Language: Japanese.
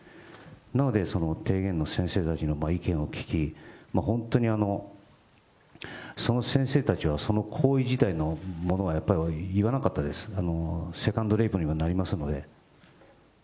なので、その提言の先生たちの意見を聞き、本当にその先生たちはその行為自体のものはやっぱり言わなかったです、セカンドレイプにもなりますので。